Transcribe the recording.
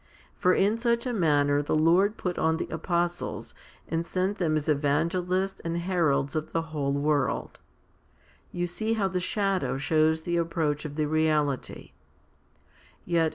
For in such a manner the Lord put on the apostles and sent them as evangelists and heralds of the whole world. You see how the shadow shows the approach of the reality. Yet just as 1 Used collectively as elsewhere. 2 Lev.